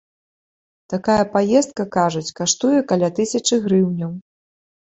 Такая паездка, кажуць, каштуе каля тысячы грыўняў.